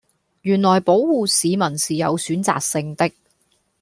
原來保謢市民是有選擇性的